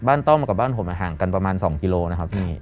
ต้อมมากับบ้านผมห่างกันประมาณ๒กิโลนะครับพี่